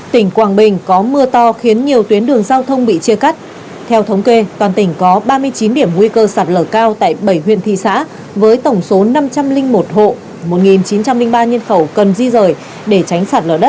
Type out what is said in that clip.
tỉnh quảng bình có mưa to khiến nhiều tuyến đường giao thông bị chia cắt theo thống kê toàn tỉnh có ba mươi chín điểm nguy cơ sạt lở cao tại bảy huyện thị xã với tổng số năm trăm linh một hộ một chín trăm linh ba nhân khẩu cần di rời